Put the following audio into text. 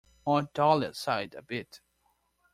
Aunt Dahlia sighed a bit.